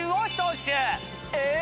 え！